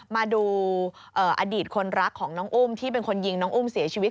มาดูอดีตคนรักของน้องอุ้มที่เป็นคนยิงน้องอุ้มเสียชีวิต